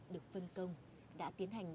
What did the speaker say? được phân công đã tiến hành